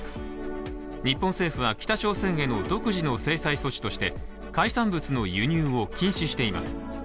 日本政府は北朝鮮への独自の制裁措置として海産物の輸入を禁止しています。